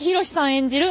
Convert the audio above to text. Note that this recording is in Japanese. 演じる